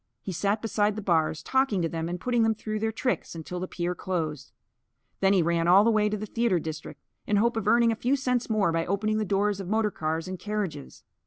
He sat beside the bars, talking to them and putting them through their tricks until the pier closed. Then he ran all the way to the theatre district, in the hope of earning a few cents more by opening the doors of motorcars and carriages.